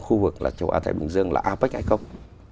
khu vực là châu á thái bình dương là apec hay không